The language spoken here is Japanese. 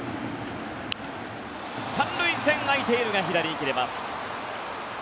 ３塁線、空いているが左に切れます。